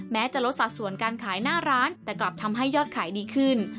จะลดสัดส่วนการขายหน้าร้านแต่กลับทำให้ยอดขายดีขึ้น